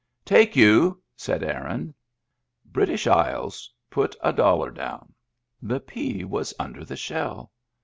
" Take you," said Aaron. British Isles put a dollar down. The pea was under the shell.